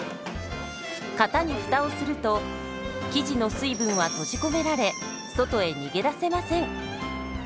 型にフタをすると生地の水分は閉じ込められ外へ逃げ出せません。